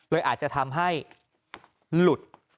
เลยอาจจะทำให้หลุด